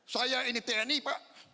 saya ini tni pak